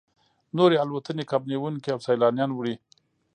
نورې الوتنې کب نیونکي او سیلانیان وړي